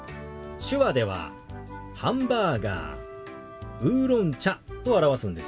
手話では「ハンバーガー」「ウーロン茶」と表すんですよ。